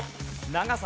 長崎。